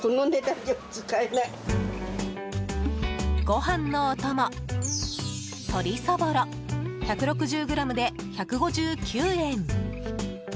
ご飯のお供、鶏そぼろ１６０ｇで１５９円。